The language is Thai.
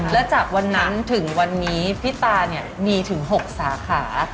และจากวันนั้นถึงวันนี้พี่ตาเนี่ยมีถึง๖สาขา